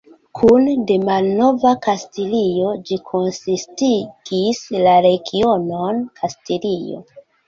Kune de Malnova Kastilio, ĝi konsistigis la regionon Kastilio.